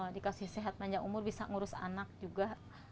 dikasih sehat panjang umur bisa ngurus anak juga